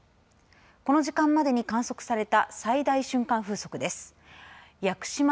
この時間までに観測された最大瞬間風速です。